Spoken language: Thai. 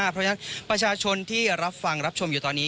เพราะฉะนั้นประชาชนที่รับฟังรับชมอยู่ตอนนี้